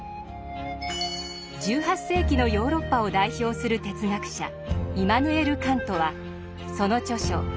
１８世紀のヨーロッパを代表する哲学者イマヌエル・カントはその著書